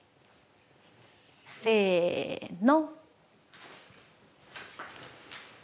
せの。